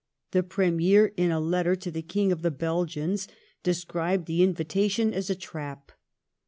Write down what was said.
The Premier, in a letter to the King of the Belgians, described the invitation as a trap.